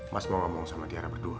mas mau ngomong sama diarah berdua